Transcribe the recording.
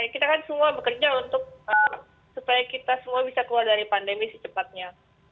kita kan semua bekerja untuk supaya kita semua bisa keluar dari pandemi secepatnya